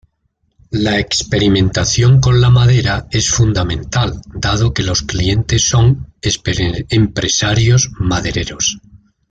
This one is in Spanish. La experimentación con la madera es fundamental dado que los clientes son empresarios madereros.